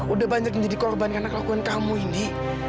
udah banyak yang jadi korban karena kelakuan kamu indi